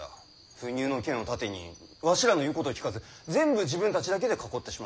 不入の権を盾にわしらの言うことを聞かず全部自分たちだけで囲ってしまう。